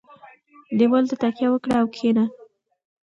دېوال ته تکیه وکړه او کښېنه.